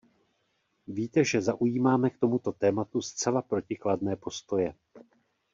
Víte, že zaujímáme k tomuto tématu zcela protikladné postoje.